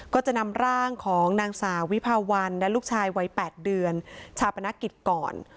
ก็จะนำร่างของนางสาววิภาวันและลูกชายวัย๘เดือนชาปนกิจก่อน